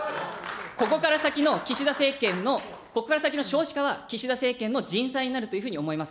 ここから先の岸田政権の、ここから先の少子化は、岸田政権の人災になると思います。